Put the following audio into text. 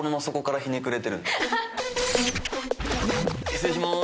失礼しまーす。